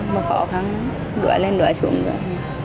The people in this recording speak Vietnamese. mà khó khăn đuổi lên đuổi xuống rồi